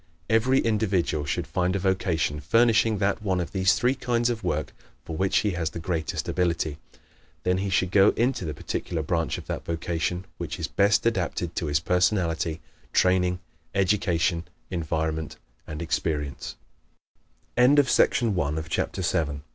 Every individual should find a vocation furnishing that one of these three kinds of work for which he has the greatest ability. Then he should go into the particular branch of that vocation which is best adapted to his personality, training, education, enviro